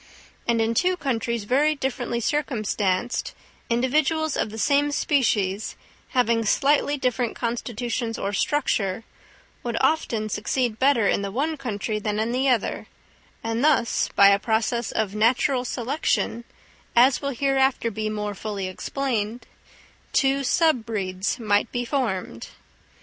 And in two countries very differently circumstanced, individuals of the same species, having slightly different constitutions or structure, would often succeed better in the one country than in the other, and thus by a process of "natural selection," as will hereafter be more fully explained, two sub breeds might be formed.